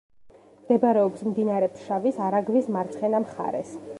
მდებარეობს მდინარე ფშავის არაგვის მარცხენა მხარეს.